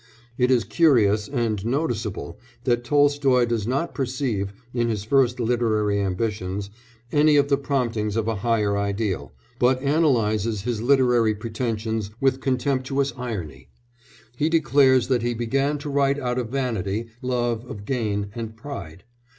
It is curious and noticeable that Tolstoy does not perceive, in his first literary ambitions, any of the promptings of a higher ideal, but analyses his literary pretensions with contemptuous irony. He declares that he began to write out of vanity, love of gain, and pride.